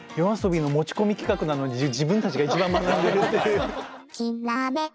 ＹＯＡＳＯＢＩの持ち込み企画なのに自分たちが一番学んでる！